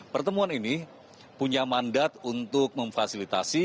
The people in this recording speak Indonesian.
pertemuan ini punya mandat untuk memfasilitasi